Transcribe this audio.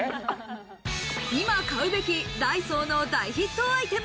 今、買うべきダイソーの大ヒットアイテム。